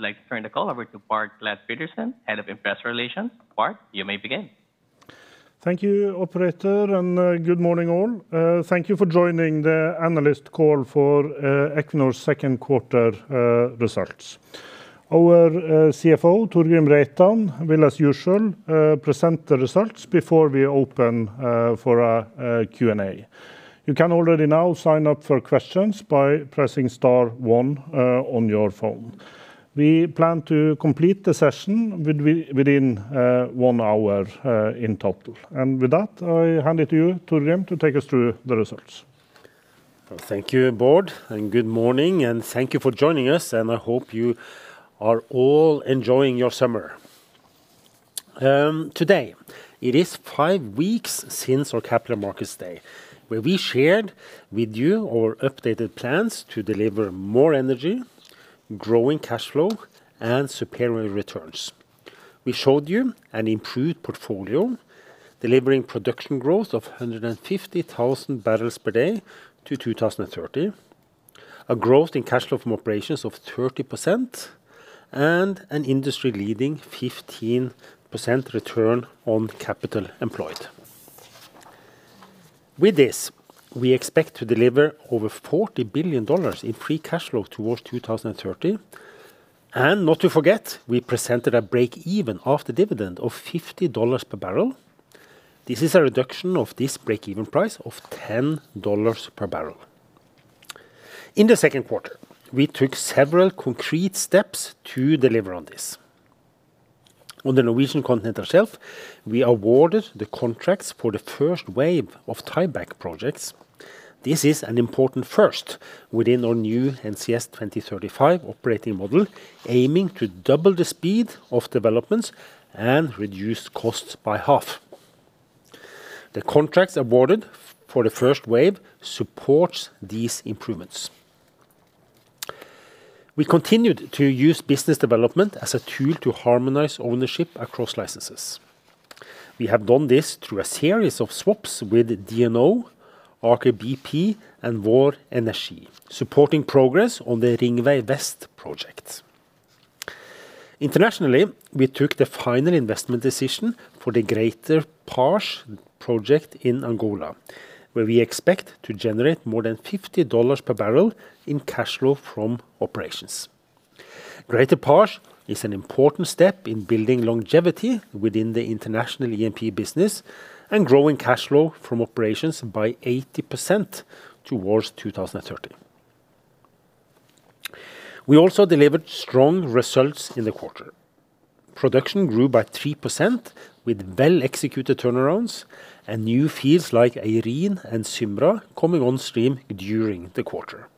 I would like to turn the call over to Bård Glad Pedersen, Head of Investor Relations. Bård, you may begin. Thank you operator. Good morning all. Thank you for joining the analyst call for Equinor's second quarter results. Our CFO, Torgrim Reitan, will as usual, present the results before we open for a Q&A. You can already now sign up for questions by pressing star one on your phone. We plan to complete the session within one hour in total. With that, I hand it to you, Torgrim, to take us through the results. Well, thank you Bård. Good morning. Thank you for joining us. I hope you are all enjoying your summer. Today, it is five weeks since our Capital Markets Day, where we shared with you our updated plans to deliver more energy, growing cash flow, and superior returns. We showed you an improved portfolio delivering production growth of 150,000 bpd to 2030, a growth in cash flow from operations of 30%, and an industry-leading 15% return on capital employed. With this, we expect to deliver over $40 billion in free cash flow towards 2030. Not to forget, we presented a break even after dividend of $50 per bbl. This is a reduction of this break-even price of $10 per bbl. In the second quarter, we took several concrete steps to deliver on this. On the Norwegian continental shelf, we awarded the contracts for the first wave of tieback projects. This is an important first within our new NCS 2035 operating model, aiming to double the speed of developments and reduce costs by half. The contracts awarded for the first wave supports these improvements. We continued to use business development as a tool to harmonize ownership across licenses. We have done this through a series of swaps with DNO, Aker BP, and Vår Energi, supporting progress on the Ringvei Vest project. Internationally, we took the final investment decision for the Greater PAJ project in Angola, where we expect to generate more than $50 per bbl in cash flow from operations. Greater PAJ is an important step in building longevity within the international E&P business and growing cash flow from operations by 80% towards 2030. We also delivered strong results in the quarter. Production grew by 3% with well executed turnarounds and new fields like Eirin and Symra coming on stream during the quarter.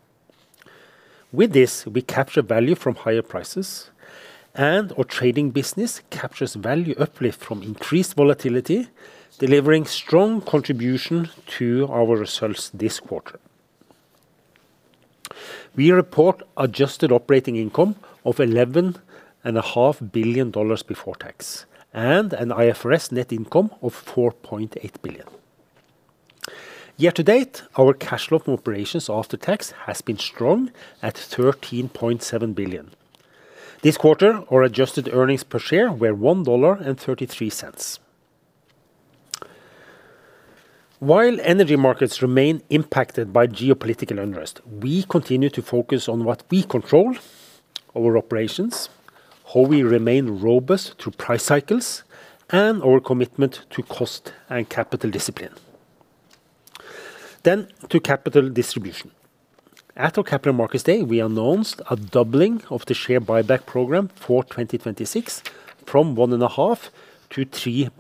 With this, we capture value from higher prices and our trading business captures value uplift from increased volatility, delivering strong contribution to our results this quarter. We report adjusted operating income of $11.5 billion before tax, and an IFRS net income of $4.8 billion. Year to date, our cash flow from operations after tax has been strong at $13.7 billion. This quarter our adjusted earnings per share were $1.33. While energy markets remain impacted by geopolitical unrest, we continue to focus on what we control, our operations, how we remain robust through price cycles, and our commitment to cost and capital discipline. To capital distribution. At our Capital Markets Day, we announced a doubling of the share buyback program for 2026 from $1.5 billion to $3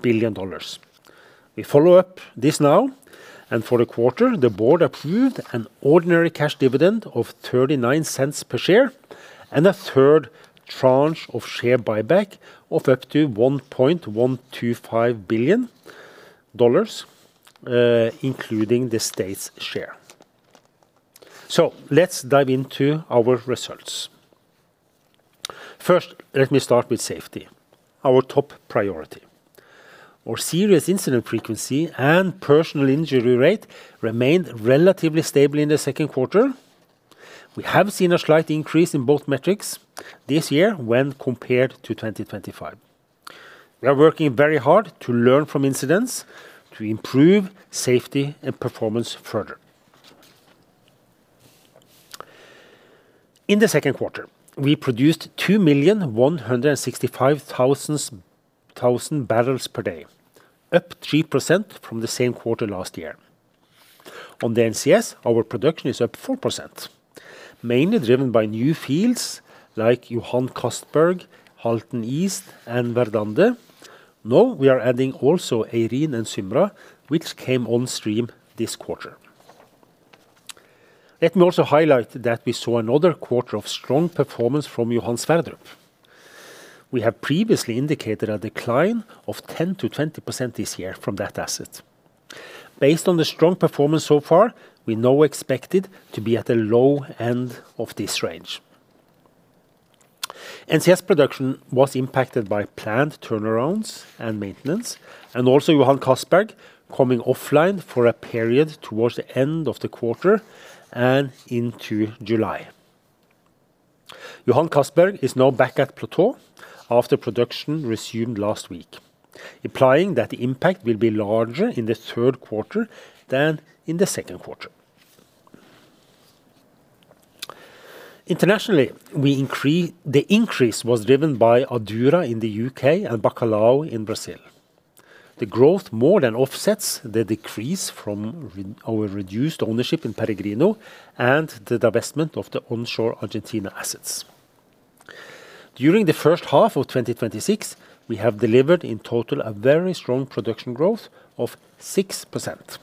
billion. We follow up this now, for the quarter, the board approved an ordinary cash dividend of $0.39 per share, and a third tranche of share buyback of up to $1.125 billion, including the state's share. Let's dive into our results. First, let me start with safety, our top priority. Our serious incident frequency and personal injury rate remained relatively stable in the second quarter. We have seen a slight increase in both metrics this year when compared to 2025. We are working very hard to learn from incidents to improve safety and performance further. In the second quarter, we produced 2,165,000 bpd, up 3% from the same quarter last year. On the NCS, our production is up 4%, mainly driven by new fields like Johan Castberg, Halten East, and Verdande. We are adding also Eirin and Symra, which came on stream this quarter. Let me also highlight that we saw another quarter of strong performance from Johan Sverdrup. We have previously indicated a decline of 10%-20% this year from that asset. Based on the strong performance so far, we now expect it to be at the low end of this range. NCS production was impacted by plant turnarounds and maintenance, and also Johan Castberg coming offline for a period towards the end of the quarter and into July. Johan Castberg is now back at plateau after production resumed last week, implying that the impact will be larger in the third quarter than in the second quarter. Internationally, the increase was driven by Adura in the U.K. and Bacalhau in Brazil. The growth more than offsets the decrease from our reduced ownership in Peregrino and the divestment of the onshore Argentina assets. During the first half of 2026, we have delivered in total a very strong production growth of 6%.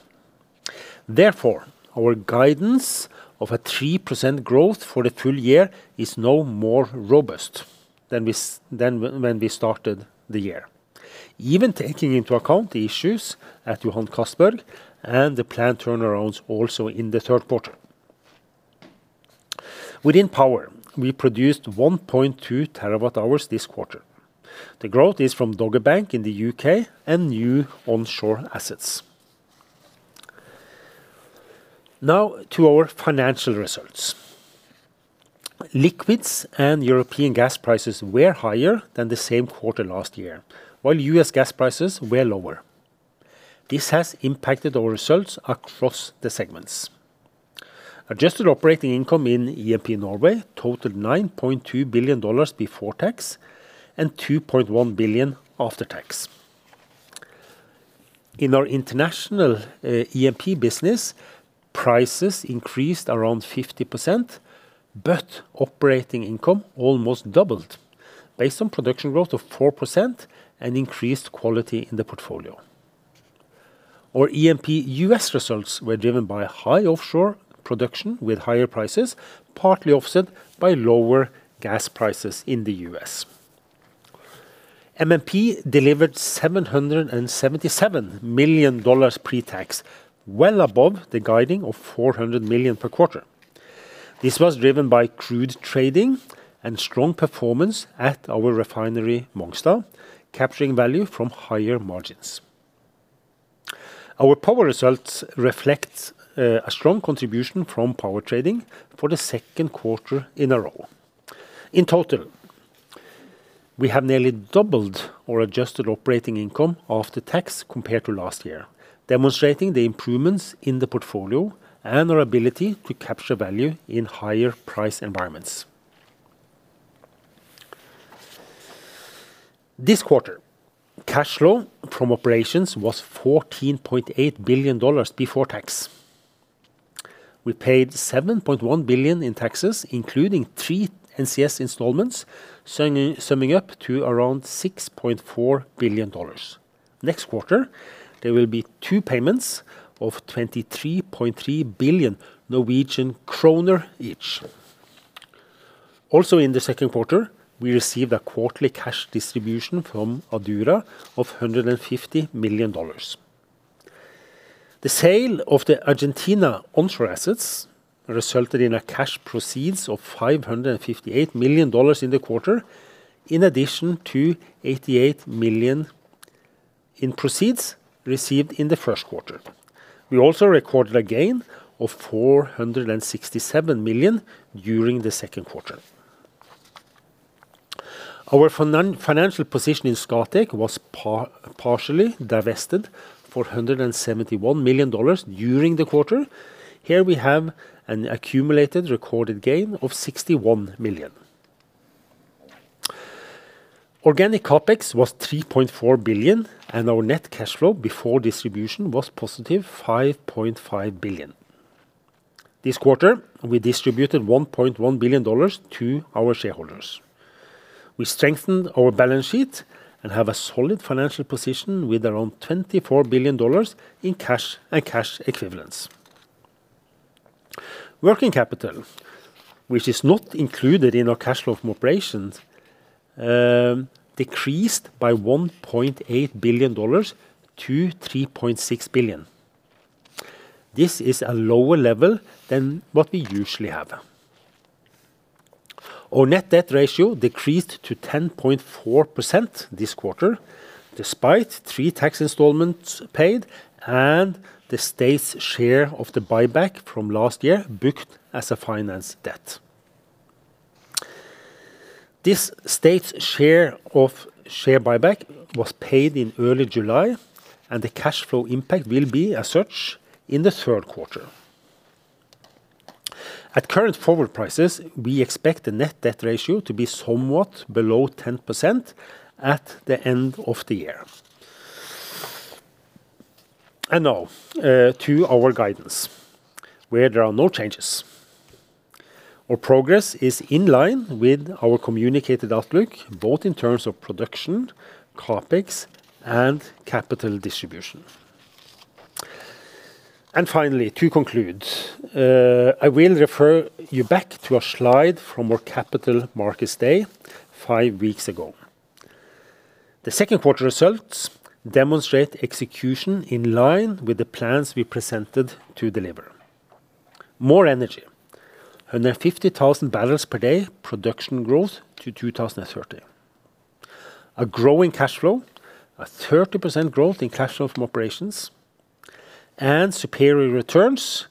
Therefore, our guidance of a 3% growth for the full year is now more robust than when we started the year. Even taking into account the issues at Johan Castberg and the planned turnarounds also in the third quarter. Within power, we produced 1.2 TWh this quarter. The growth is from Dogger Bank in the U.K. and new onshore assets. Now to our financial results. Liquids and European gas prices were higher than the same quarter last year, while U.S. gas prices were lower. This has impacted our results across the segments. Adjusted operating income in E&P Norway totaled $9.2 billion before tax and $2.1 billion after tax. In our international E&P business, prices increased around 50%, but operating income almost doubled based on production growth of 4% and increased quality in the portfolio. Our E&P U.S. results were driven by high offshore production with higher prices, partly offset by lower gas prices in the U.S. MMP delivered $777 million pre-tax, well above the guiding of $400 million per quarter. This was driven by crude trading and strong performance at our refinery, Mongstad, capturing value from higher margins. Our power results reflect a strong contribution from power trading for the second quarter in a row. In total, we have nearly doubled our adjusted operating income after tax compared to last year, demonstrating the improvements in the portfolio and our ability to capture value in higher price environments. This quarter, cash flow from operations was $14.8 billion before tax. We paid $7.1 billion in taxes, including three NCS installments, summing up to around $6.4 billion. Next quarter, there will be two payments of 23.3 billion Norwegian kroner each. Also in the second quarter, we received a quarterly cash distribution from Adura of $150 million. The sale of the Argentina onshore assets resulted in cash proceeds of $558 million in the quarter, in addition to $88 million in proceeds received in the first quarter. We also recorded a gain of $467 million during the second quarter. Our financial position in Scatec was partially divested for $171 million during the quarter. Here we have an accumulated recorded gain of $61 million. Organic CapEx was $3.4 billion, and our net cash flow before distribution was +$5.5 billion. This quarter, we distributed $1.1 billion to our shareholders. We strengthened our balance sheet and have a solid financial position with around $24 billion in cash and cash equivalents. Working capital, which is not included in our cash flow from operations, decreased by $1.8 billion to $3.6 billion. This is a lower level than what we usually have. Our net debt ratio decreased to 10.4% this quarter, despite three tax installments paid and the state's share of the buyback from last year booked as a finance debt. This state's share of share buyback was paid in early July, and the cash flow impact will be as such in the third quarter. At current forward prices, we expect the net debt ratio to be somewhat below 10% at the end of the year. Now, to our guidance, where there are no changes. Our progress is in line with our communicated outlook, both in terms of production, CapEx, and capital distribution. Finally, to conclude, I will refer you back to a slide from our Capital Markets Day five weeks ago. The second quarter results demonstrate execution in line with the plans we presented to deliver. More energy, 150,000 bpd production growth to 2030. A growing cash flow, a 30% growth in cash flow from operations, and superior returns.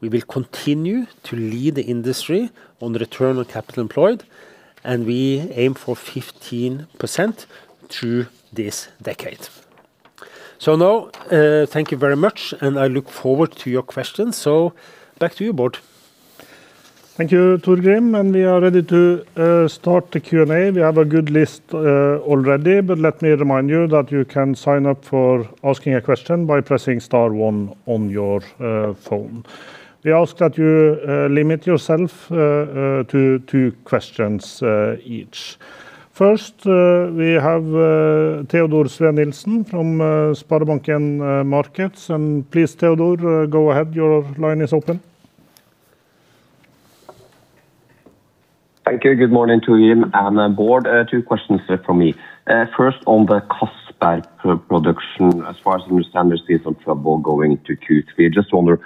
We will continue to lead the industry on return on capital employed, and we aim for 15% through this decade. Now, thank you very much, and I look forward to your questions. Back to you, Bård. Thank you, Torgrim, we are ready to start the Q&A. We have a good list already, but let me remind you that you can sign up for asking a question by pressing star one on your phone. We ask that you limit yourself to two questions each. First, we have Teodor Sveen-Nilsen from SpareBank 1 Markets. Please, Teodor, go ahead. Your line is open. Thank you. Good morning, Torgrim and Bård. Two questions from me. First, on the Johan Castberg production, as far as I understand, there's been some trouble going into Q3. Just wonder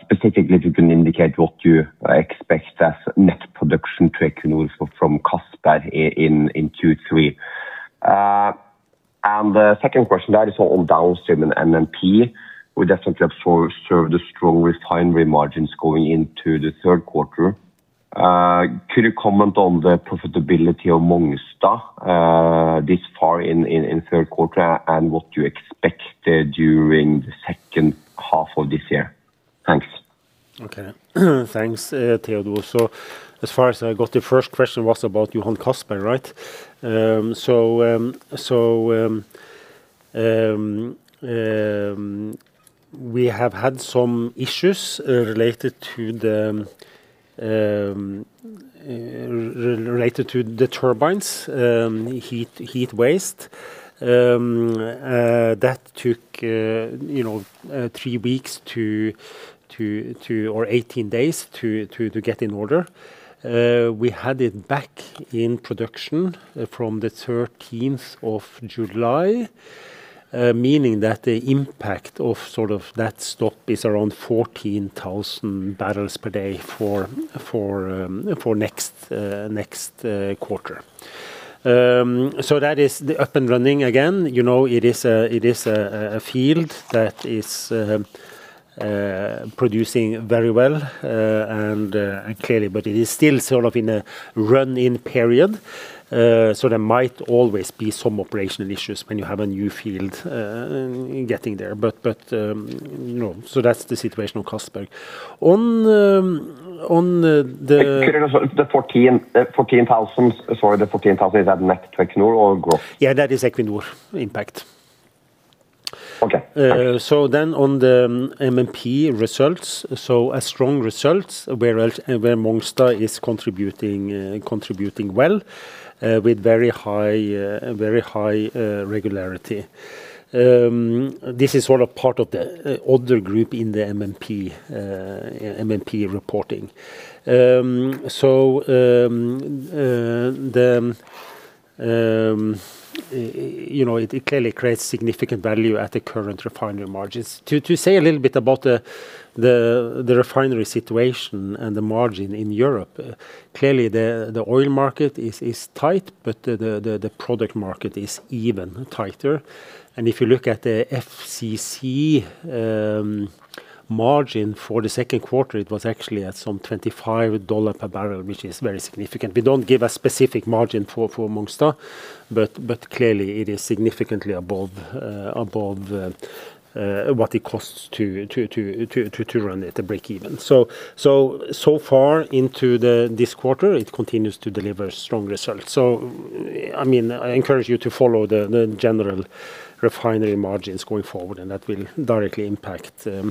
specifically if you can indicate what you expect as net production to Equinor from Johan Castberg in Q3. The second question, that is on downstream and MMP. We definitely observe the strongest refinery margins going into the third quarter. Could you comment on the profitability of Mongstad this far in third quarter, and what you expect during the second half of this year? Thanks. Okay. Thanks, Teodor. As far as I got, the first question was about Johan Castberg, right? We have had some issues related to the turbines, heat waste. That took three weeks or 18 days to get in order. We had it back in production from the 13th of July, meaning that the impact of that stop is around 14,000 bpd for next quarter. That is up and running again. It is a field that is producing very well, clearly. It is still in a run-in period, so there might always be some operational issues when you have a new field getting there. That is the situation on Johan Castberg. Could I ask if the 14,000 bpd is that net to Equinor or gross? Yeah, that is Equinor impact. Okay. On the MMP results, a strong result where Mongstad is contributing well with very high regularity. This is part of the other group in the MMP reporting. It clearly creates significant value at the current refinery margins. To say a little bit about the refinery situation and the margin in Europe, clearly the oil market is tight, but the product market is even tighter. If you look at the FCC margin for the second quarter, it was actually at some $25 per bbl, which is very significant. We don't give a specific margin for Mongstad, but clearly it is significantly above what it costs to run it at a break even. So far into this quarter, it continues to deliver strong results. I encourage you to follow the general refinery margins going forward, and that will directly impact the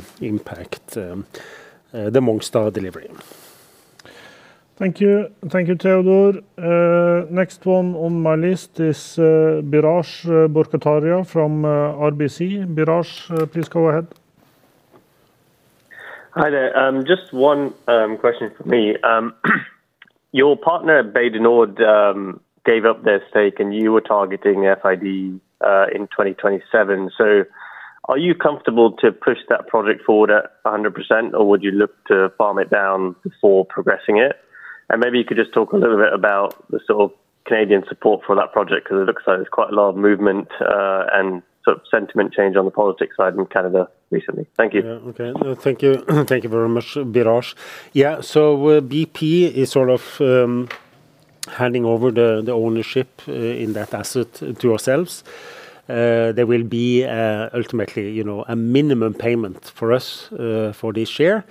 Mongstad delivery. Thank you. Thank you, Teodor. Next one on my list is Biraj Borkhataria from RBC. Biraj, please go ahead. Hi there. Just one question from me. Your partner, Bay du Nord, gave up their stake, and you were targeting FID in 2027. Are you comfortable to push that project forward at 100%, or would you look to farm it down before progressing it? Maybe you could just talk a little bit about the Canadian support for that project, because it looks like there's quite a lot of movement and sentiment change on the politics side in Canada recently. Thank you. Yeah. Okay. Thank you. Thank you very much, Biraj. BP is handing over the ownership in that asset to ourselves. There will be ultimately a minimum payment for us for this year,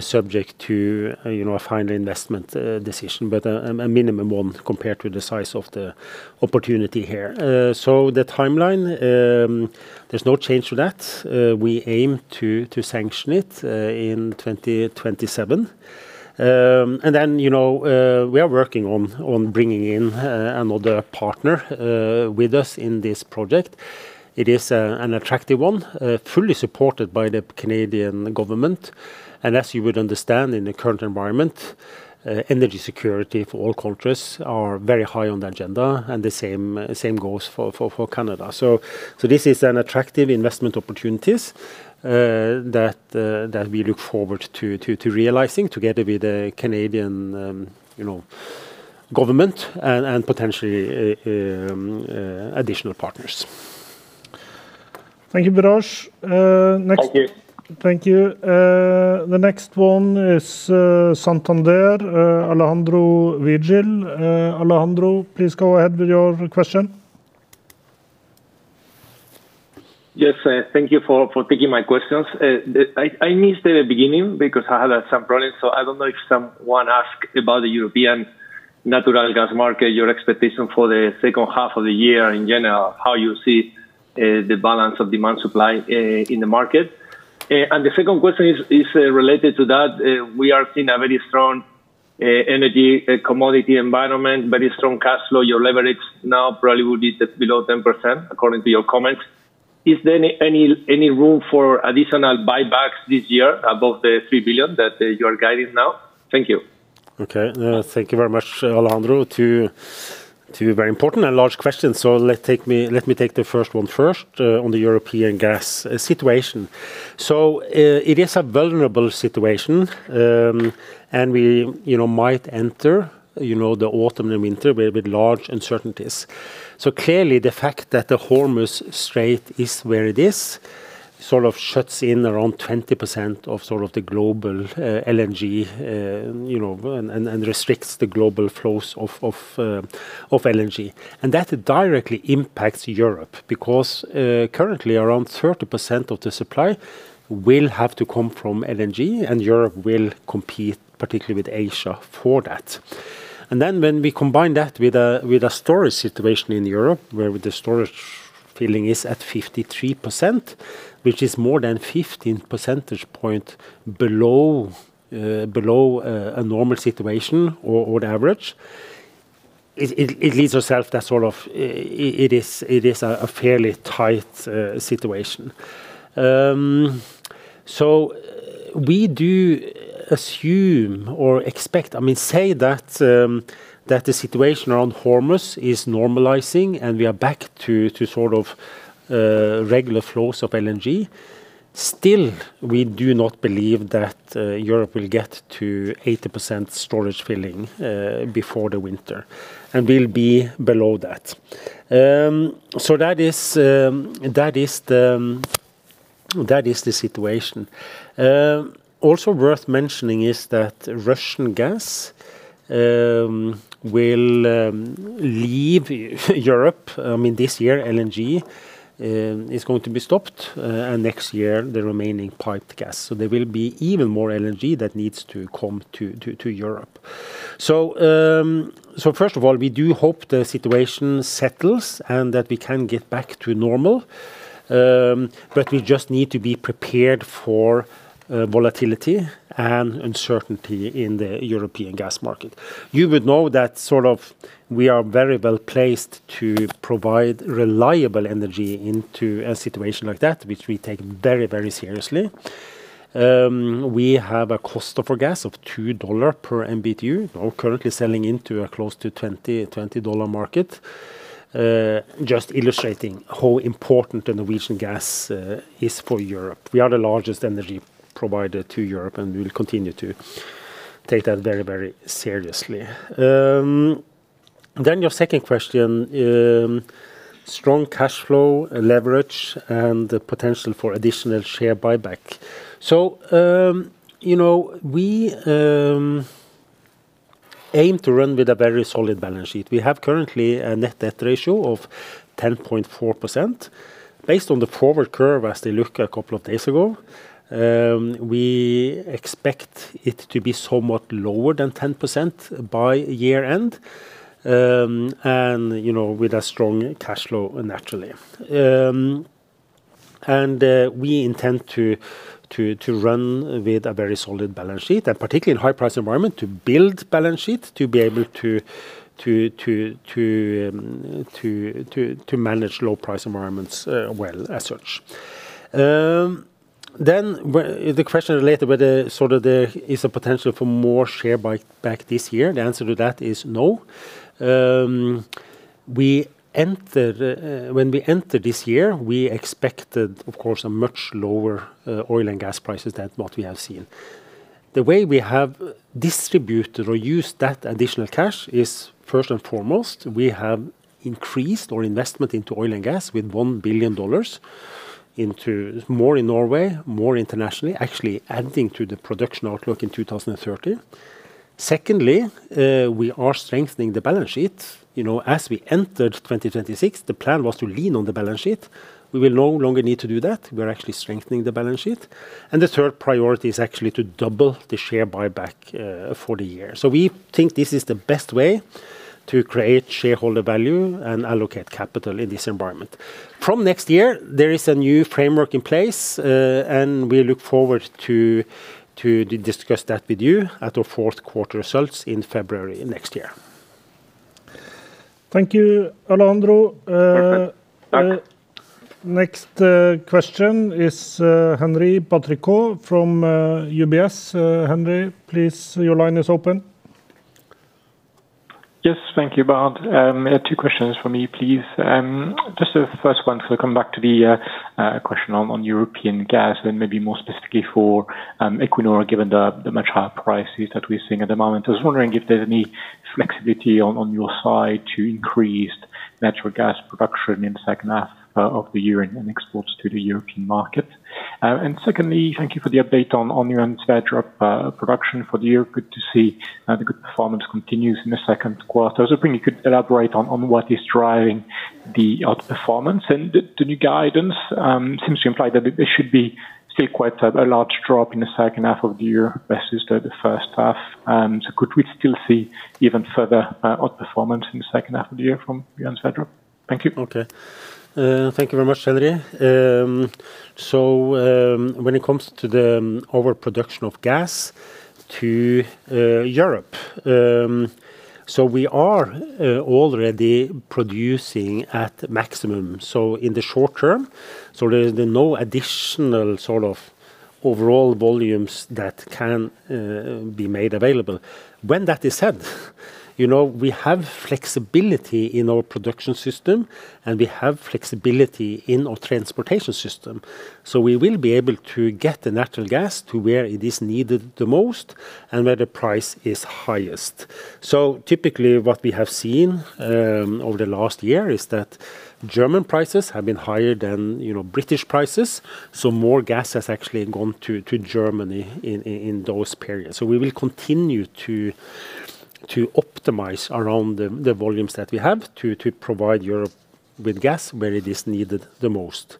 subject to a final investment decision, but a minimum one compared to the size of the opportunity here. The timeline, there is no change to that. We aim to sanction it in 2027. Then we are working on bringing in another partner with us in this project. It is an attractive one, fully supported by the Canadian government. As you would understand, in the current environment, energy security for all countries are very high on the agenda, and the same goes for Canada. This is an attractive investment opportunities that we look forward to realizing together with the Canadian government and potentially additional partners. Thank you, Biraj. Thank you. Thank you. The next one is Santander, Alejandro Vigil. Alejandro, please go ahead with your question. Yes, thank you for taking my questions. I missed the beginning because I had some problems, so I don't know if someone asked about the European natural gas market, your expectation for the second half of the year, in general, how you see the balance of demand supply in the market. The second question is related to that. We are seeing a very strong energy commodity environment, very strong cash flow. Your leverage now probably would be just below 10%, according to your comments. Is there any room for additional buybacks this year above the $3 billion that you are guiding now? Thank you. Thank you very much, Alejandro. Two very important and large questions. Let me take the first one first on the European gas situation. It is a vulnerable situation, and we might enter the autumn and winter with large uncertainties. Clearly, the fact that the Strait of Hormuz is where it is, sort of shuts in around 20% of sort of the global LNG, and restricts the global flows of LNG. That directly impacts Europe because currently around 30% of the supply will have to come from LNG, and Europe will compete particularly with Asia for that. When we combine that with a storage situation in Europe, where the storage filling is at 53%, which is more than 15 percentage point below a normal situation or the average, it leaves ourself that sort of, it is a fairly tight situation. We do assume or expect, I mean, say that the situation around Hormuz is normalizing, and we are back to sort of regular flows of LNG. Still, we do not believe that Europe will get to 80% storage filling before the winter and will be below that. That is the situation. Also worth mentioning is that Russian gas will leave Europe. I mean, this year, LNG is going to be stopped, and next year, the remaining piped gas. There will be even more LNG that needs to come to Europe. First of all, we do hope the situation settles and that we can get back to normal, but we just need to be prepared for volatility and uncertainty in the European gas market. You would know that sort of we are very well-placed to provide reliable energy into a situation like that, which we take very seriously. We have a cost of gas of $2 per MMBtu. We're currently selling into a close to $20 market. Just illustrating how important the Norwegian gas is for Europe. We are the largest energy provider to Europe, and we will continue to take that very seriously. Your second question, strong cash flow leverage and the potential for additional share buyback. We aim to run with a very solid balance sheet. We have currently a net debt ratio of 10.4%. Based on the forward curve as they look a couple of days ago, we expect it to be somewhat lower than 10% by year-end, and with a strong cash flow naturally. We intend to run with a very solid balance sheet and particularly in high price environment to build balance sheet to be able to manage low price environments well as such. The question related with the sort of is there potential for more share buyback this year? The answer to that is no. When we entered this year, we expected, of course, a much lower oil and gas prices than what we have seen. The way we have distributed or used that additional cash is, first and foremost, we have increased our investment into oil and gas with $1 billion into more in Norway, more internationally, actually adding to the production outlook in 2030. Secondly, we are strengthening the balance sheet. As we entered 2026, the plan was to lean on the balance sheet. We will no longer need to do that. We are actually strengthening the balance sheet. The third priority is actually to double the share buyback for the year. We think this is the best way to create shareholder value and allocate capital in this environment. From next year, there is a new framework in place, and we look forward to discuss that with you at our fourth quarter results in February next year. Thank you, Alejandro. Thank you. Next question is Henri Patricot from UBS. Henri, please, your line is open. Yes. Thank you, Bård. Two questions from me, please. The first one, coming back to the question on European gas and maybe more specifically for Equinor, given the much higher prices that we're seeing at the moment. I was wondering if there's any flexibility on your side to increased natural gas production in the second half of the year and exports to the European market. Secondly, thank you for the update on Johan Sverdrup production for the year. Good to see the good performance continues in the second quarter. I was hoping you could elaborate on what is driving the outperformance and the new guidance seems to imply that it should be still quite a large drop in the second half of the year versus the first half. Could we still see even further outperformance in the second half of the year from Johan Sverdrup? Thank you. Thank you very much, Henri. When it comes to the overproduction of gas to Europe, we are already producing at maximum, in the short term, there are no additional sort of overall volumes that can be made available. When that is said, we have flexibility in our production system, and we have flexibility in our transportation system. We will be able to get the natural gas to where it is needed the most and where the price is highest. Typically, what we have seen over the last year is that German prices have been higher than British prices, more gas has actually gone to Germany in those periods. We will continue to optimize around the volumes that we have to provide Europe with gas where it is needed the most.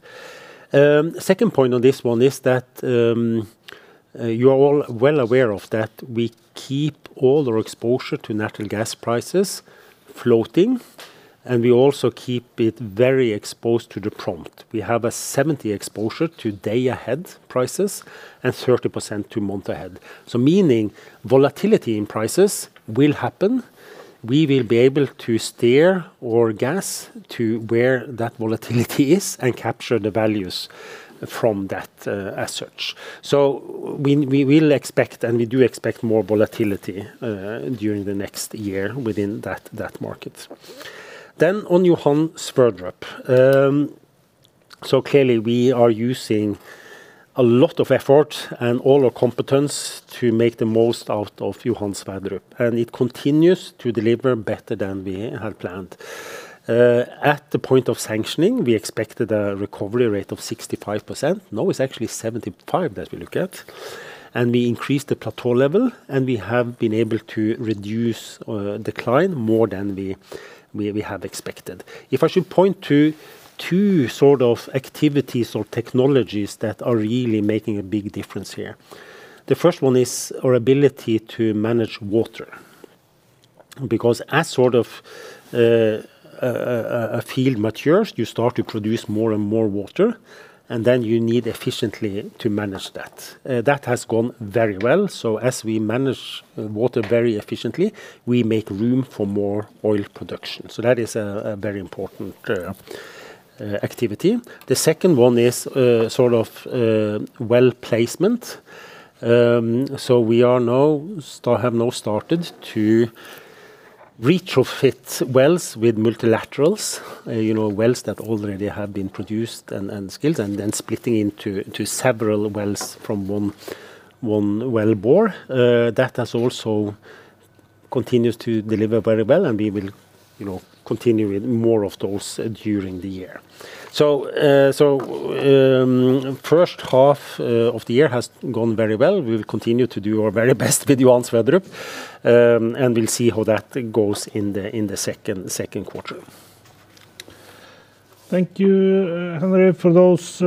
Second point on this one is that you are all well aware of that we keep all our exposure to natural gas prices floating, and we also keep it very exposed to the prompt. We have a 70% exposure to day ahead prices and 30% to month ahead. Meaning volatility in prices will happen. We will be able to steer our gas to where that volatility is and capture the values from that as such. We will expect, and we do expect more volatility during the next year within that market. On Johan Sverdrup. Clearly we are using a lot of effort and all our competence to make the most out of Johan Sverdrup, and it continues to deliver better than we had planned. At the point of sanctioning, we expected a recovery rate of 65%. Now it's actually 75% that we look at, and we increased the plateau level, and we have been able to reduce decline more than we have expected. If I should point to two sort of activities or technologies that are really making a big difference here, the first one is our ability to manage water, because as a field matures, you start to produce more and more water, and then you need efficiently to manage that. That has gone very well. As we manage water very efficiently, we make room for more oil production. That is a very important activity. The second one is well placement. We have now started to retrofit wells with multilaterals, wells that already have been produced and skilled and then splitting into several wells from one well bore. That has also continued to deliver very well, and we will continue with more of those during the year. First half of the year has gone very well. We will continue to do our very best with Johan Sverdrup, and we'll see how that goes in the second quarter. Thank you, Henri, for those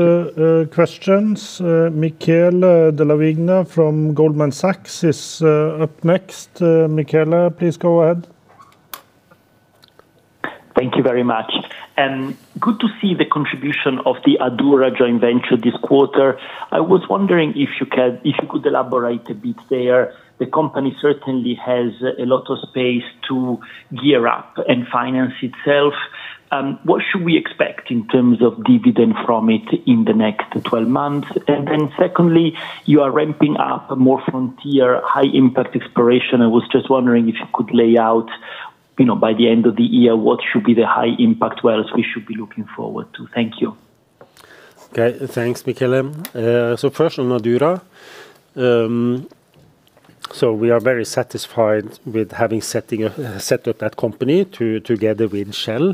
questions. Michele Della Vigna from Goldman Sachs is up next. Michele, please go ahead. Thank you very much. Good to see the contribution of the Adura joint venture this quarter. I was wondering if you could elaborate a bit there. The company certainly has a lot of space to gear up and finance itself. What should we expect in terms of dividend from it in the next 12 months? Secondly, you are ramping up more frontier high impact exploration. I was just wondering if you could lay out by the end of the year what should be the high impact wells we should be looking forward to. Thank you. Okay, thanks, Michele. First on Adura. We are very satisfied with having set up that company together with Shell,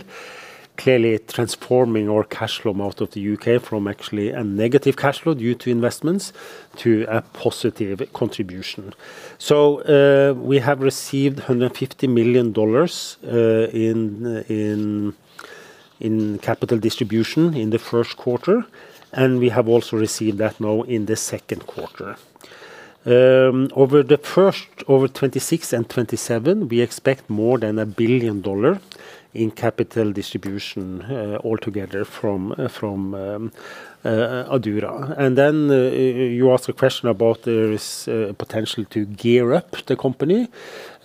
clearly transforming our cash flow out of the U.K. from actually a negative cash flow due to investments to a positive contribution. We have received $150 million in capital distribution in the first quarter, and we have also received that now in the second quarter. Over 2026 and 2027, we expect more than $1 billion in capital distribution altogether from Adura. You asked a question about there is potential to gear up the company.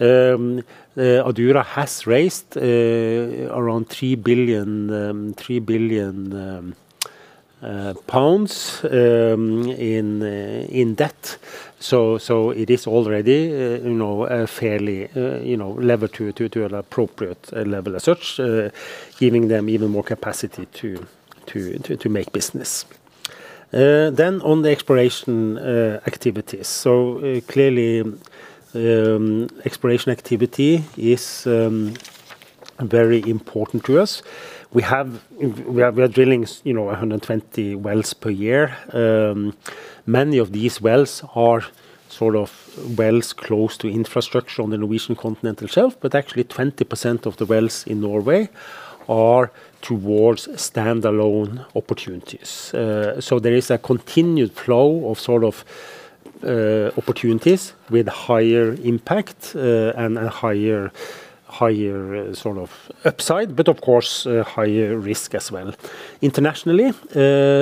Adura has raised around 3 billion pounds in debt. It is already fairly levered to an appropriate level as such, giving them even more capacity to make business. On the exploration activities. Clearly, exploration activity is very important to us. We are drilling 120 wells per year. Many of these wells are wells close to infrastructure on the Norwegian continental shelf, but actually 20% of the wells in Norway are towards standalone opportunities. There is a continued flow of opportunities with higher impact and a higher upside, but of course, higher risk as well. Internationally,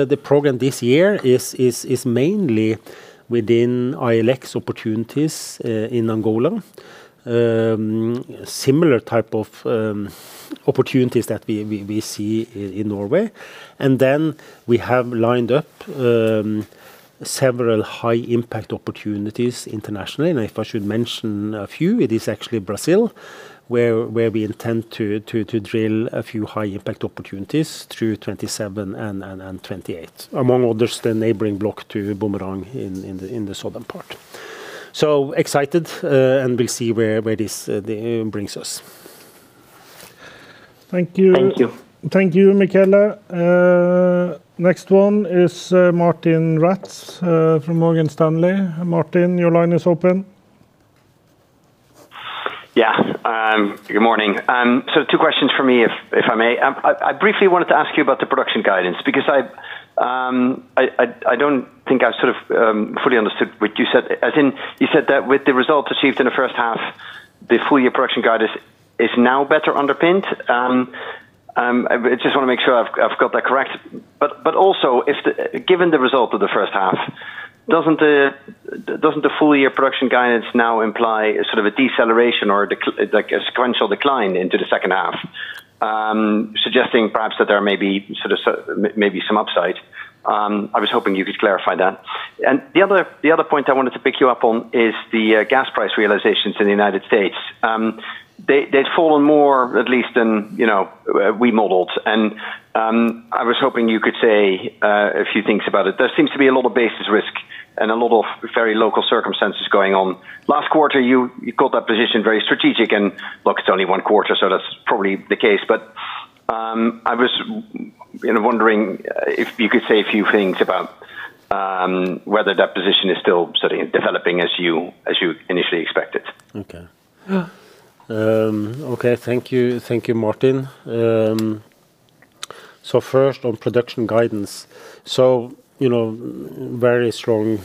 the program this year is mainly within ILX opportunities in Angola. Similar type of opportunities that we see in Norway. We have lined up several high impact opportunities internationally. If I should mention a few, it is actually Brazil where we intend to drill a few high impact opportunities through 2027 and 2028. Among others, the neighboring block to Boomerang in the southern part. So excited, and we'll see where this brings us. Thank you. Thank you. Thank you, Michele. Next one is Martijn Rats from Morgan Stanley. Martijn, your line is open. Good morning. Two questions from me, if I may. I briefly wanted to ask you about the production guidance, because I don't think I've fully understood what you said. As in, you said that with the result achieved in the first half, the full year production guidance is now better underpinned. I just want to make sure I've got that correct. Also, given the result of the first half, doesn't the full year production guidance now imply a deceleration or a sequential decline into the second half, suggesting perhaps that there may be some upside? I was hoping you could clarify that. The other point I wanted to pick you up on is the gas price realizations in the United States. They'd fallen more, at least than we modeled, and I was hoping you could say a few things about it. There seems to be a lot of basis risk and a lot of very local circumstances going on. Last quarter, you called that position very strategic, and look, it's only one quarter, so that's probably the case. I was wondering if you could say a few things about whether that position is still developing as you initially expected. Okay. Thank you, Martijn. First on production guidance. Very strong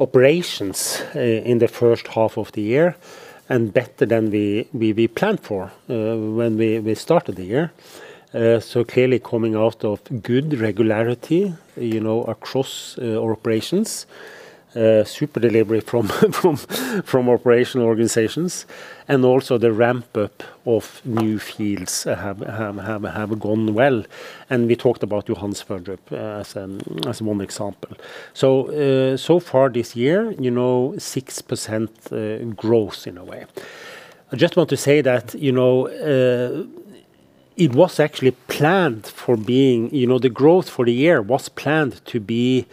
operations in the first half of the year and better than we planned for when we started the year. Clearly coming out of good regularity across our operations. Super delivery from operational organizations and also the ramp up of new fields have gone well, and we talked about Johan Sverdrup as one example. So far this year, 6% growth in a way. I just want to say that it was actually planned for being the growth for the year was planned to be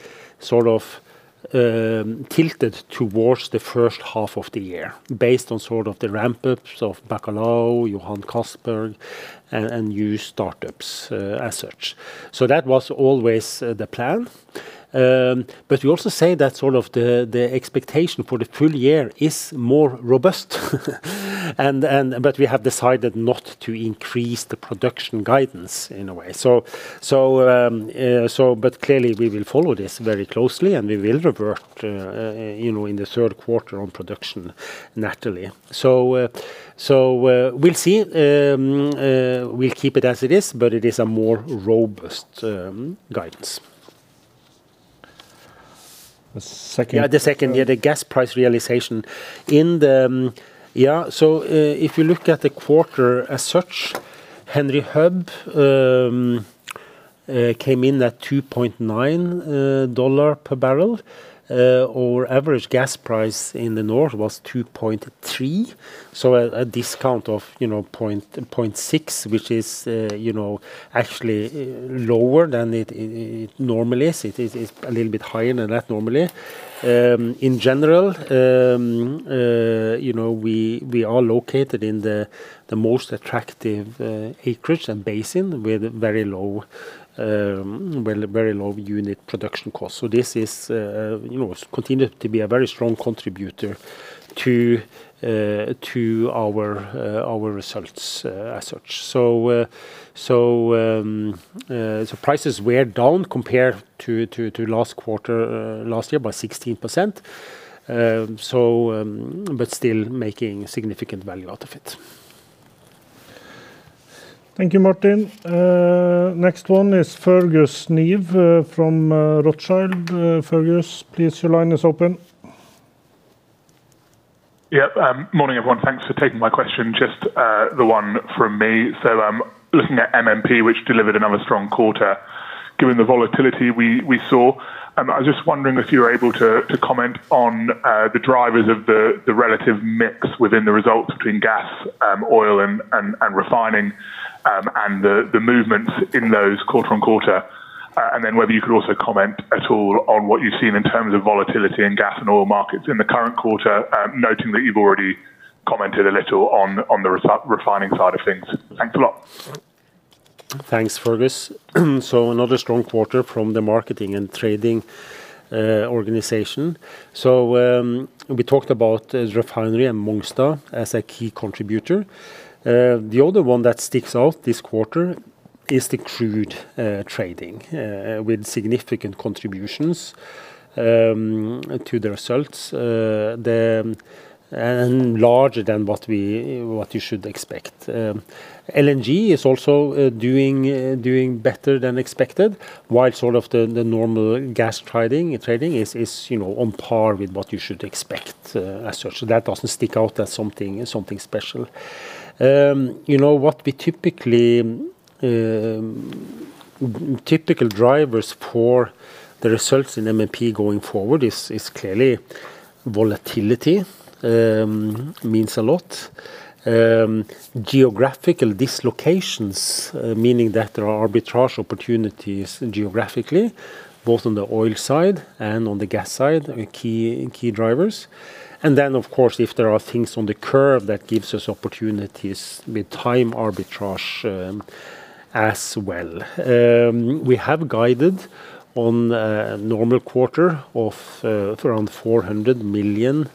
tilted towards the first half of the year based on the ramp-ups of Bacalhau, Johan Castberg, and new startups as such. That was always the plan. We also say that the expectation for the full year is more robust. We have decided not to increase the production guidance, in a way. Clearly, we will follow this very closely, and we will revert in the third quarter on production naturally. We'll see. We'll keep it as it is, but it is a more robust guidance. The second- Yeah, the second, the gas price realization. If you look at the quarter as such, Henry Hub came in at $2.9 per bbl. Our average gas price in the north was 2.3, so a discount of 0.6, which is actually lower than it normally is. It's a little bit higher than that normally. In general, we are located in the most attractive acreage and basin with very low unit production cost. This continued to be a very strong contributor to our results as such. Prices were down compared to last quarter, last year by 16%, but still making significant value out of it. Thank you, Martijn. Next one is Fergus Neve from Rothschild. Fergus, please, your line is open. Yep. Morning, everyone. Thanks for taking my question. Just the one from me. Looking at MMP, which delivered another strong quarter, given the volatility we saw I was just wondering if you were able to comment on the drivers of the relative mix within the results between gas, oil, and refining, and the movements in those quarter-on-quarter. Whether you could also comment at all on what you've seen in terms of volatility in gas and oil markets in the current quarter, noting that you've already commented a little on the refining side of things. Thanks a lot. Thanks, Fergus. Another strong quarter from the marketing and trading organization. We talked about refinery and Mongstad as a key contributor. The other one that sticks out this quarter is the crude trading, with significant contributions to the results, and larger than what you should expect. LNG is also doing better than expected. While sort of the normal gas trading is on par with what you should expect as such. That doesn't stick out as something special. Typical drivers for the results in MMP going forward is clearly volatility, means a lot. Geographical dislocations, meaning that there are arbitrage opportunities geographically, both on the oil side and on the gas side are key drivers. Of course, if there are things on the curve that gives us opportunities with time arbitrage, as well. We have guided on a normal quarter of around $400 million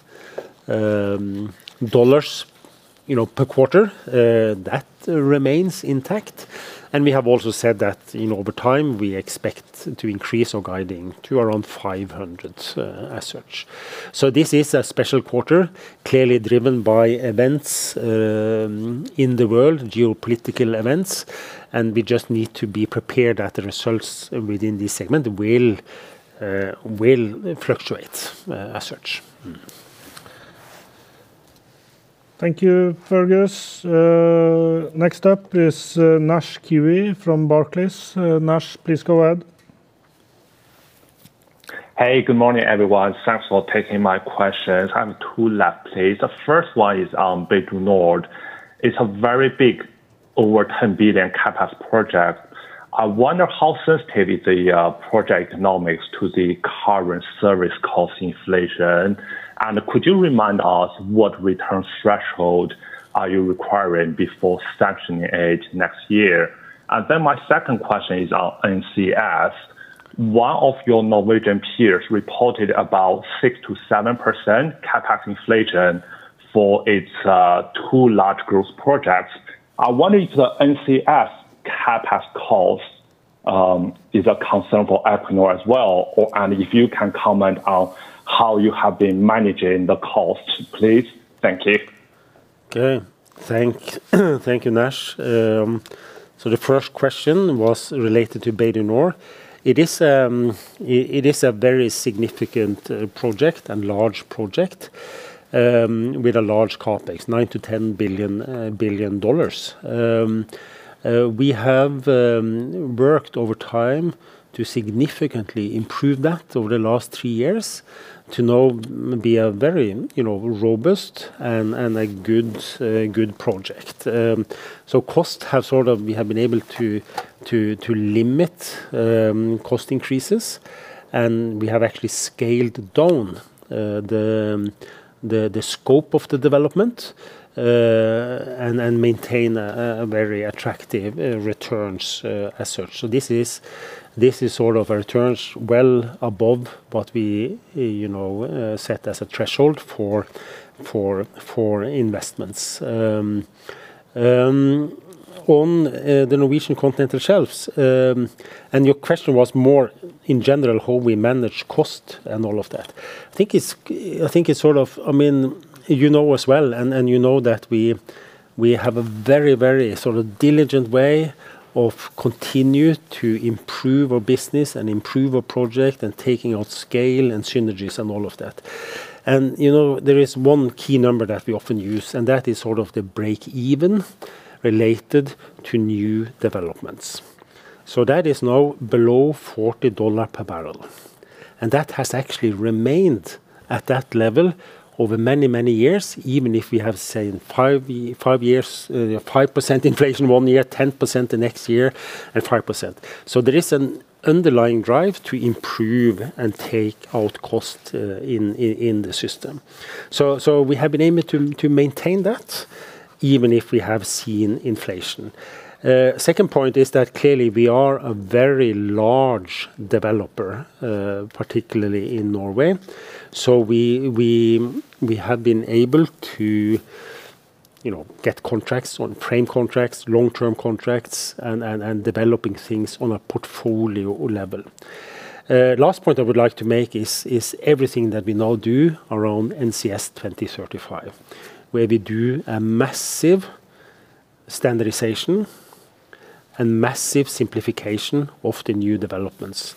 per quarter. That remains intact. We have also said that over time, we expect to increase our guiding to around $500 million as such. This is a special quarter, clearly driven by events in the world, geopolitical events, and we just need to be prepared that the results within this segment will fluctuate as such. Thank you, Fergus. Next up is Naisheng Cui from Barclays. Naish, please go ahead. Hey, good morning, everyone. Thanks for taking my questions. I have two left please. The first one is on Bay du Nord. It's a very big, over $10 billion CapEx project. I wonder how sensitive the project economics to the current service cost inflation, and could you remind us what return threshold are you requiring before sanctioning it next year? My second question is on NCS. One of your Norwegian peers reported about 6%-7% CapEx inflation for its two large growth projects. I wonder if the NCS CapEx cost is a concern for Equinor as well, and if you can comment on how you have been managing the cost, please. Thank you. Okay. Thank you, Naish. The first question was related to Bay du Nord. It is a very significant project and large project, with a large CapEx, $9 billion-$10 billion. We have worked over time to significantly improve that over the last three years to now be a very robust and a good project. Cost, we have been able to limit cost increases, and we have actually scaled down the scope of the development, and maintain a very attractive returns as such. This is returns well above what we set as a threshold for investments. On the Norwegian continental shelves, and your question was more in general how we manage cost and all of that. You know as well, you know that we have a very diligent way of continue to improve our business and improve our project and taking on scale and synergies and all of that. There is one key number that we often use, and that is the break-even related to new developments. That is now below $40 per bbl. That has actually remained at that level over many years, even if we have, say, 5% inflation one year, 10% the next year, and 5%. There is an underlying drive to improve and take out cost in the system. We have been able to maintain that even if we have seen inflation. Second point is that clearly we are a very large developer, particularly in Norway. We have been able to get contracts on frame contracts, long-term contracts, and developing things on a portfolio level. Last point I would like to make is everything that we now do around NCS 2035, where we do a massive standardization and massive simplification of the new developments.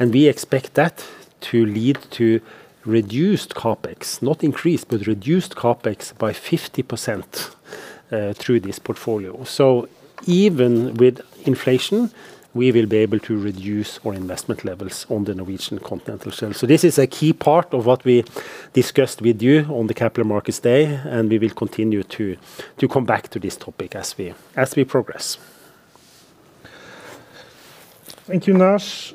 We expect that to lead to reduced CapEx, not increased, but reduced CapEx by 50% through this portfolio. Even with inflation, we will be able to reduce our investment levels on the Norwegian continental shelf. This is a key part of what we discussed with you on the Capital Markets Day, and we will continue to come back to this topic as we progress. Thank you, Naish.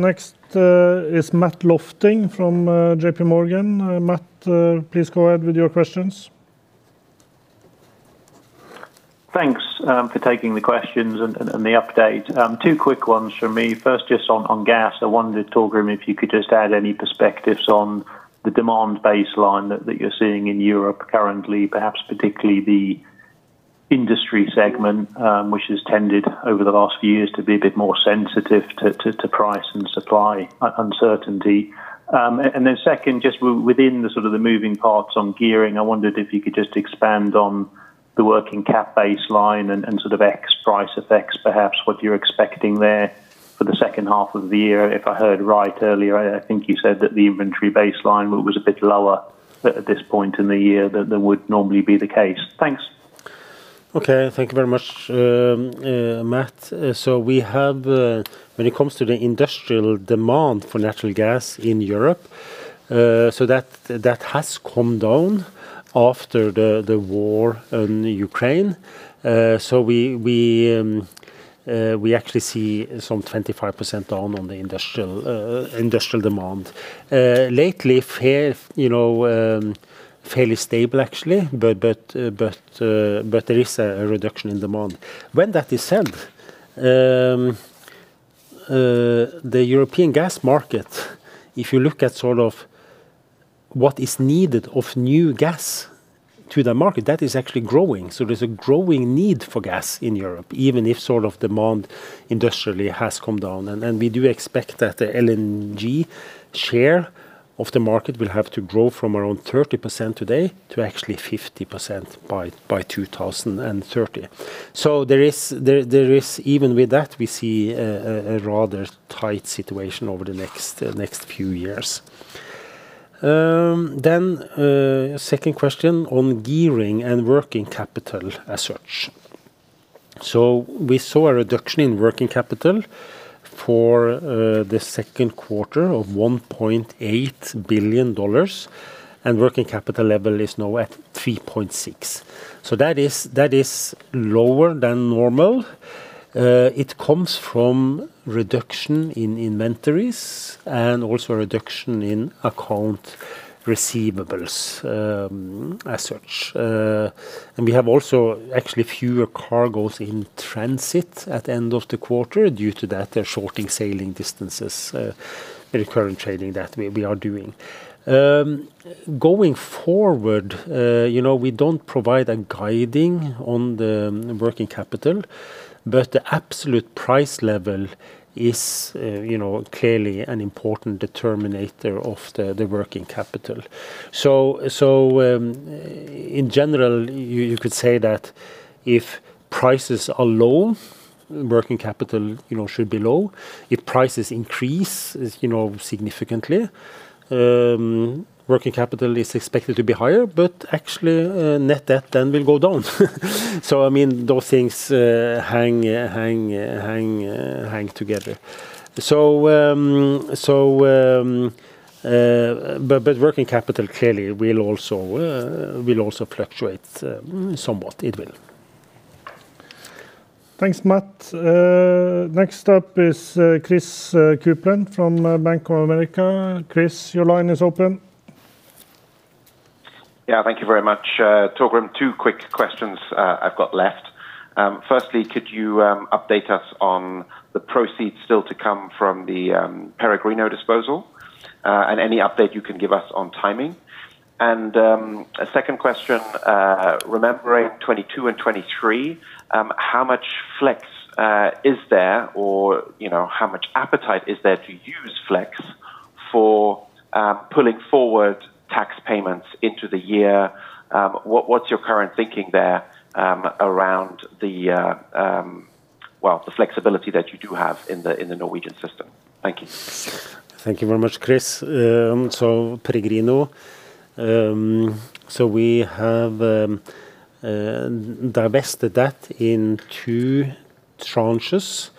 Next is Matt Lofting from JPMorgan. Matt, please go ahead with your questions. Thanks for taking the questions and the update. Two quick ones from me. First, just on gas, I wondered, Torgrim, if you could just add any perspectives on the demand baseline that you're seeing in Europe currently, perhaps particularly the industry segment, which has tended over the last few years to be a bit more sensitive to price and supply uncertainty. Then second, just within the moving parts on gearing, I wondered if you could just expand on the working cap baseline and ex price effects, perhaps what you're expecting there for the second half of the year. If I heard right earlier, I think you said that the inventory baseline was a bit lower at this point in the year than would normally be the case. Thanks. Okay. Thank you very much, Matt. When it comes to the industrial demand for natural gas in Europe, that has come down after the war in Ukraine. We actually see some 25% down on the industrial demand. Lately, fairly stable, actually, but there is a reduction in demand. When that is said, the European gas market, if you look at what is needed of new gas to the market, that is actually growing. There's a growing need for gas in Europe, even if demand industrially has come down. We do expect that the LNG share of the market will have to grow from around 30% today to actually 50% by 2030. Even with that, we see a rather tight situation over the next few years. Second question on gearing and working capital as such. We saw a reduction in working capital for the second quarter of $1.8 billion, and working capital level is now at $3.6 billion. That is lower than normal. It comes from reduction in inventories and also a reduction in account receivables as such. We have also actually fewer cargoes in transit at the end of the quarter due to that shorting sailing distances, the recurrent trading that we are doing. Going forward, we don't provide a guiding on the working capital, but the absolute price level is clearly an important determinator of the working capital. In general, you could say that if prices are low, working capital should be low. If prices increase significantly, working capital is expected to be higher, but actually net debt then will go down. Those things hang together. Working capital clearly will also fluctuate somewhat. It will. Thanks, Matt. Next up is Chris Kuplent from Bank of America. Chris, your line is open. Yeah, thank you very much. Torgrim, two quick questions I've got left. Firstly, could you update us on the proceeds still to come from the Peregrino disposal, and any update you can give us on timing? A second question, remembering 2022 and 2023, how much flex is there or how much appetite is there to use flex for pulling forward tax payments into the year? What's your current thinking there around the flexibility that you do have in the Norwegian system? Thank you. Thank you very much, Chris. Peregrino, we have divested that in two tranches.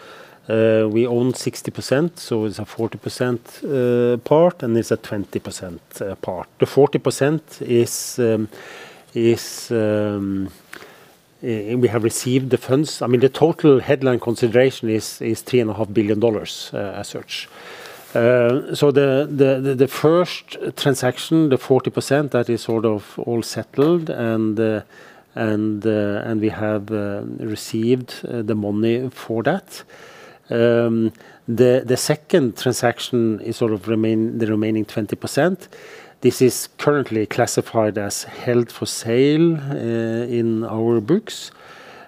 We own 60%, so it is a 40% part and there is a 20% part. The 40%, we have received the funds. The total headline consideration is NOK 3.5 billion as such. The first transaction, the 40%, that is all settled, and we have received the money for that. The second transaction is the remaining 20%. This is currently classified as held for sale in our books.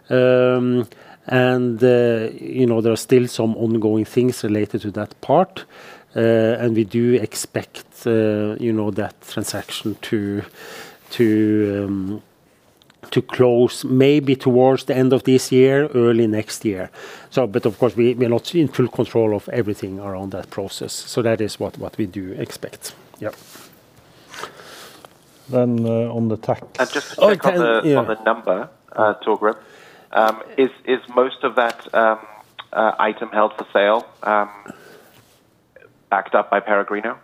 There are still some ongoing things related to that part. We do expect that transaction to close maybe towards the end of this year, early next year. Of course, we are not in full control of everything around that process, so that is what we do expect. Yes. On the tax- Just to check on the number, Torgrim. Is most of that item held for sale backed up by Peregrino?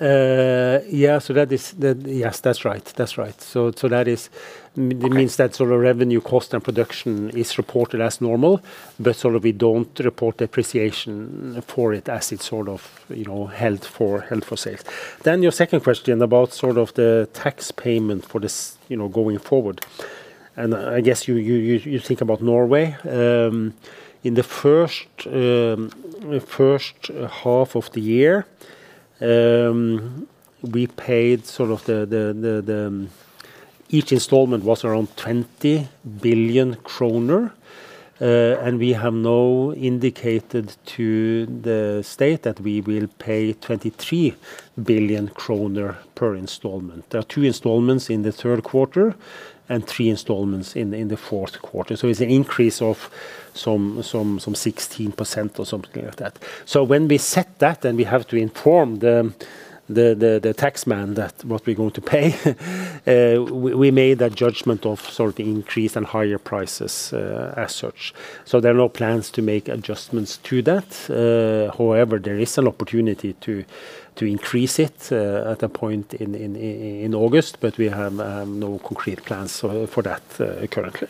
Yes, that is right. It means that sort of revenue, cost, and production is reported as normal, but sort of we do not report depreciation for it as it is held for sale. Your second question about the tax payment for this going forward, I guess you think about Norway. In the first half of the year, each installment was around 20 billion kroner, we have now indicated to the state that we will pay 23 billion kroner per installment. There are two installments in the third quarter and three installments in the fourth quarter. It is an increase of some 16% or something like that. When we set that, we have to inform the tax man that what we are going to pay, we made that judgment of sort of increase and higher prices, as such. There are no plans to make adjustments to that. However, there is an opportunity to increase it at a point in August, but we have no concrete plans for that currently.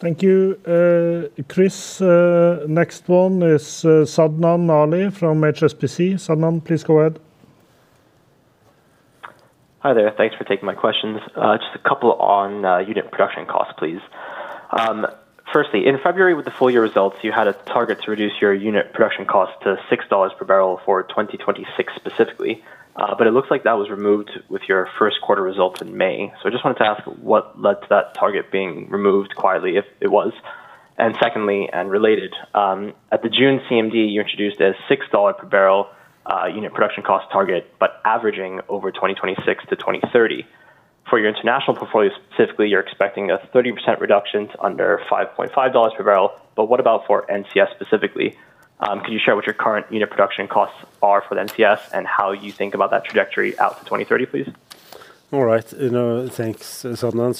Thank you, Chris. Next one is Sadnan Ali from HSBC. Sadnan, please go ahead. Hi there. Thanks for taking my questions. Just a couple on unit production cost, please. Firstly, in February with the full year results, you had a target to reduce your unit production cost to $6 per bbl for 2026 specifically. It looks like that was removed with your first quarter results in May. I just wanted to ask what led to that target being removed quietly, if it was? Secondly, and related, at the June CMD, you introduced a $6 per bbl unit production cost target, but averaging over 2026 to 2030. For your international portfolio specifically, you're expecting a 30% reduction to under $5.50 per bbl. What about for NCS specifically? Can you share what your current unit production costs are for the NCS and how you think about that trajectory out to 2030, please? All right. Thanks, Sadnan.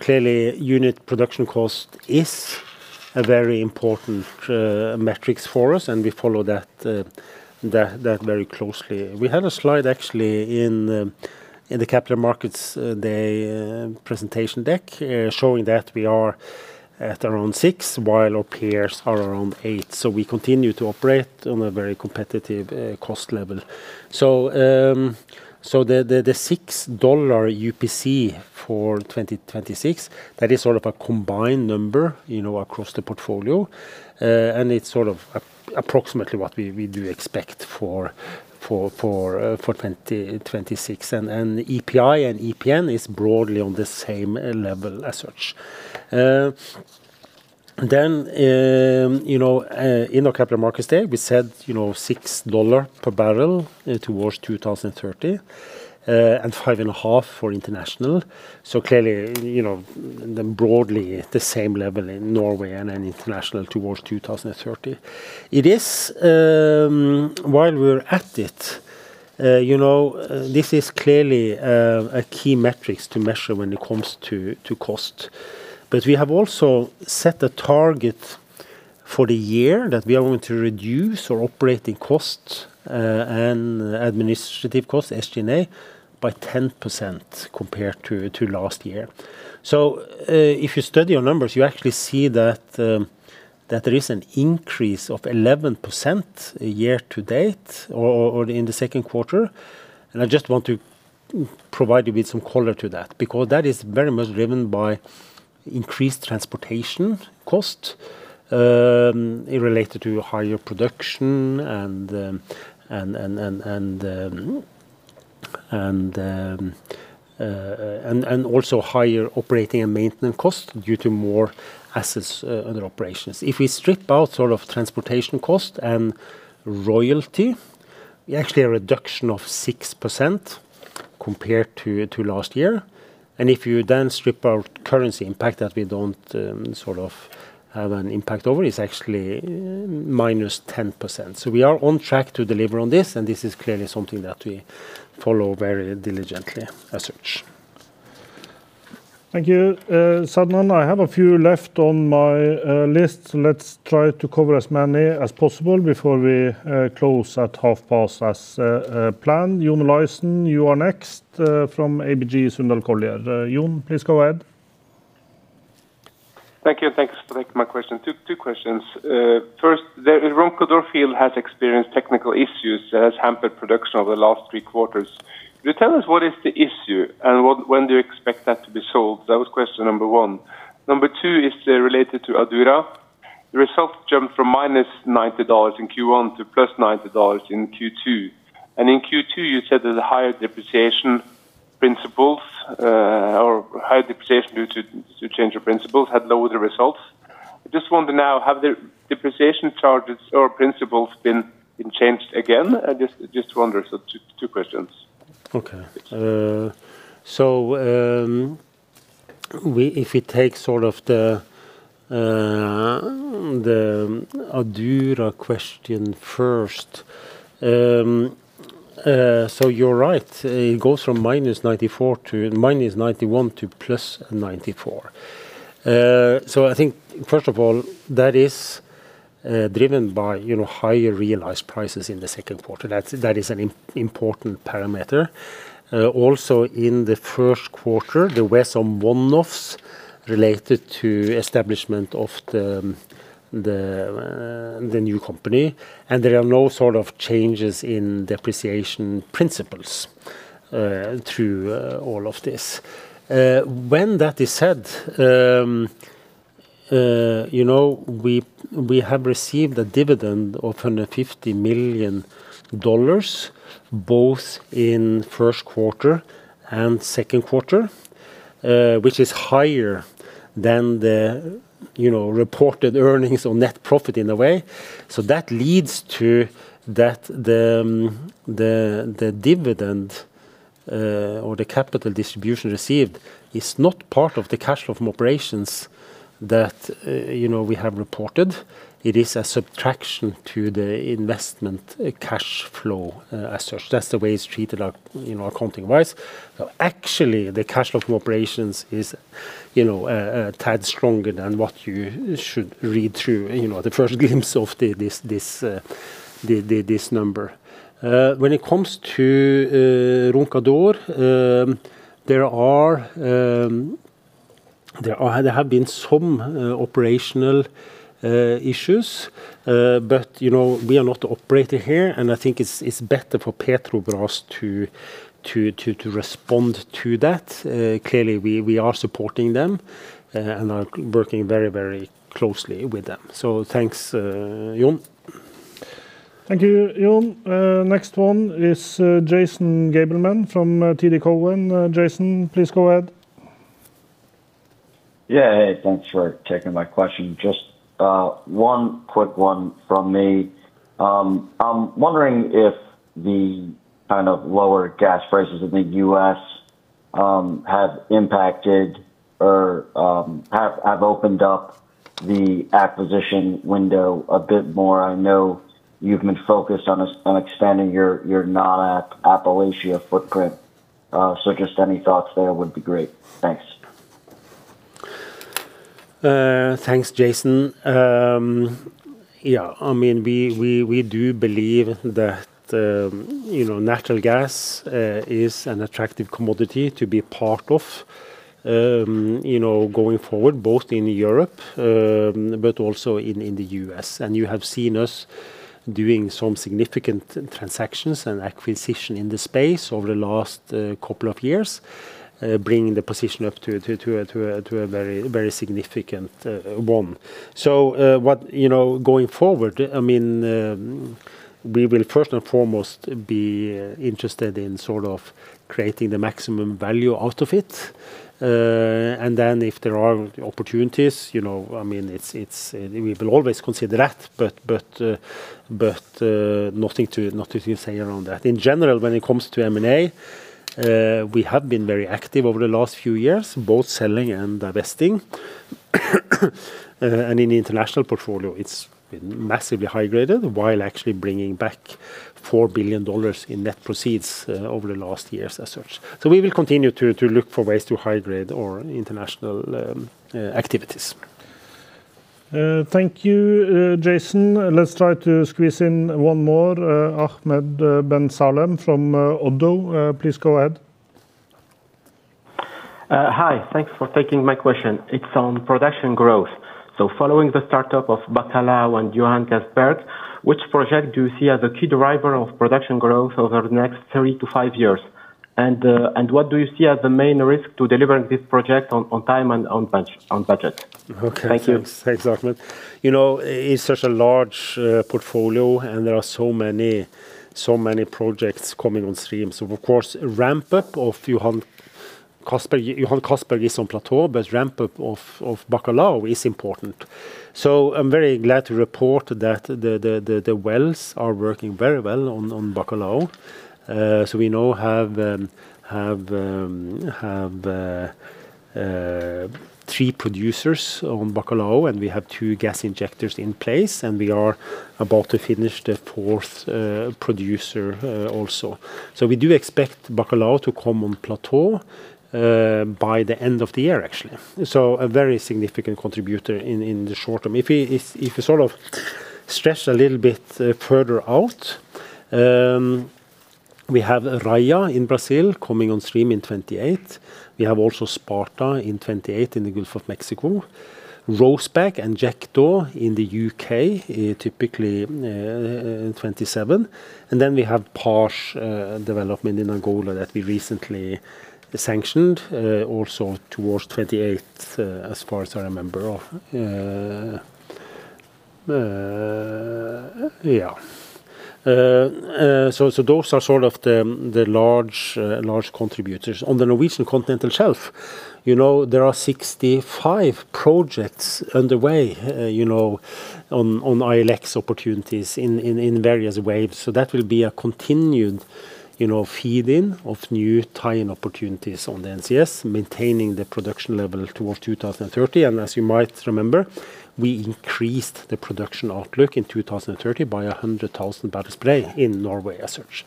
Clearly, unit production cost is a very important metrics for us, and we follow that very closely. We had a slide actually in the Capital Markets Day presentation deck, showing that we are at around six while our peers are around eight. We continue to operate on a very competitive cost level. The $6 UPC for 2026, that is sort of a combined number across the portfolio, and it's approximately what we do expect for 2026. EPI and EPN is broadly on the same level as such. Then, in our Capital Markets Day, we said $6 per bbl towards 2030, and $5.50 per bbl for international. Clearly, broadly the same level in Norway and then international towards 2030. While we're at it, this is clearly a key metrics to measure when it comes to cost. We have also set a target for the year that we are going to reduce our operating costs and administrative costs, SG&A, by 10% compared to last year. If you study your numbers, you actually see that there is an increase of 11% year-to-date or in the second quarter. I just want to provide you with some color to that, because that is very much driven by increased transportation costs, related to higher production and also higher operating and maintenance costs due to more assets under operations. If we strip out transportation costs and royalty, we actually have a reduction of 6% compared to last year. If you then strip out currency impact that we don't have an impact over is actually -10%. We are on track to deliver on this is clearly something that we follow very diligently as such. Thank you, Sadnan. I have a few left on my list. Let's try to cover as many as possible before we close at half past as planned. John Olaisen, you are next from ABG Sundal Collier. John, please go ahead. Thank you, thanks for taking my question. Two questions. First, the Roncador field has experienced technical issues that has hampered production over the last three quarters. Can you tell us what is the issue and when do you expect that to be solved? That was question number one. Number two is related to Adura. The result jumped from -$90 in Q1 to +$90 in Q2. In Q2, you said that the higher depreciation due to change of principles had lowered the results. Just wonder now, have the depreciation charges or principles been changed again? Just wonder. Two questions. Okay. If we take the Adura question first. You're right, it goes from -$91 to +$94. I think first of all, that is driven by higher realized prices in the second quarter. That is an important parameter. Also in the first quarter, there were some one-offs related to establishment of the new company, and there are no sort of changes in depreciation principles through all of this. When that is said, we have received a dividend of $150 million, both in first quarter and second quarter, which is higher than the reported earnings or net profit in a way. That leads to that the dividend or the capital distribution received is not part of the cash flow from operations that we have reported. It is a subtraction to the investment cash flow as such. That's the way it's treated accounting-wise. Actually, the cash flow from operations is a tad stronger than what you should read through the first glimpse of this number. When it comes to Roncador, there have been some operational issues. We are not operating here, and I think it's better for Petrobras to respond to that. Clearly, we are supporting them, are working very closely with them. Thanks, John. Thank you, John. Next one is Jason Gabelman from TD Cowen. Jason, please go ahead. Hey, thanks for taking my question. Just one quick one from me. I'm wondering if the kind of lower gas prices in the U.S. have impacted or have opened up the acquisition window a bit more. I know you've been focused on expanding your non-Appalachia footprint. Just any thoughts there would be great. Thanks. Thanks, Jason. We do believe that natural gas is an attractive commodity to be part of going forward, both in Europe but also in the U.S. You have seen us doing some significant transactions and acquisition in this space over the last couple of years, bringing the position up to a very significant one. Going forward, we will first and foremost be interested in sort of creating the maximum value out of it. If there are opportunities, we will always consider that, but nothing to say around that. In general, when it comes to M&A, we have been very active over the last few years, both selling and divesting. In the international portfolio it's been massively hydrated while actually bringing back $4 billion in net proceeds over the last years as such. We will continue to look for ways to hydrate our international activities. Thank you, Jason. Let's try to squeeze in one more. Ahmed Ben Salem from ODDO. Please go ahead. Hi. Thanks for taking my question. It's on production growth. Following the startup of Bacalhau and Johan Castberg, which project do you see as a key driver of production growth over the next three to five years? What do you see as the main risk to delivering this project on time and on budget? Thank you. Thanks, Ahmed. It's such a large portfolio, there are so many projects coming on stream. Of course, ramp up of Johan Castberg is on plateau, but ramp up of Bacalhau is important. I'm very glad to report that the wells are working very well on Bacalhau. We now have three producers on Bacalhau, and we have two gas injectors in place, and we are about to finish the fourth producer also. We do expect Bacalhau to come on plateau by the end of the year, actually. A very significant contributor in the short term. If you sort of stretch a little bit further out, we have Raia in Brazil coming on stream in 2028. We have also Sparta in 2028 in the Gulf of Mexico, Rosebank and Jekta in the U.K., typically in 2027. We have PAJ development in Angola that we recently sanctioned, also towards 2028, as far as I remember. Those are sort of the large contributors. On the Norwegian continental shelf, there are 65 projects underway on ILX opportunities in various waves. That will be a continued feed in of new tie-in opportunities on the NCS, maintaining the production level towards 2030. As you might remember, we increased the production outlook in 2030 by 100,000 bpd in Norway as such.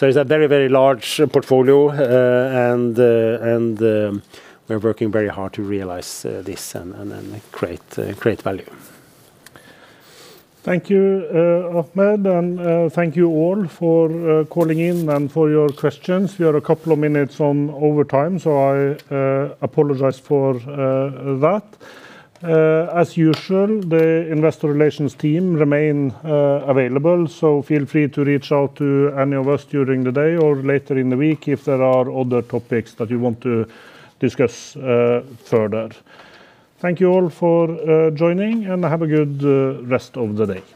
It's a very large portfolio, and we're working very hard to realize this and create value. Thank you, Ahmed, and thank you all for calling in and for your questions. We are a couple of minutes on overtime, I apologize for that. As usual, the investor relations team remain available, feel free to reach out to any of us during the day or later in the week if there are other topics that you want to discuss further. Thank you all for joining, and have a good rest of the day.